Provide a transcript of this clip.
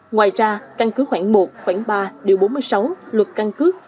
ngoài ra căn cứ khoảng một khoảng ba điều bốn mươi sáu luật căn cước